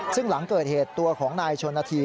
ซึ่งหลังเกิดเหตุตัวของนายชนนาธี